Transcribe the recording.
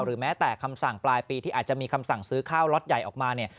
แม้แต่คำสั่งปลายปีที่อาจจะมีคำสั่งซื้อข้าวล็อตใหญ่ออกมาเนี่ย